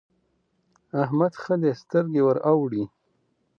احمد ښه دی؛ سترګې ور اوړي.